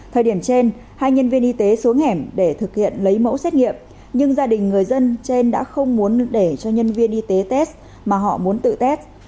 thời điểm trên hai nhân viên y tế xuống hẻm để thực hiện lấy mẫu xét nghiệm nhưng gia đình người dân trên đã không muốn để cho nhân viên y tế test mà họ muốn tự tét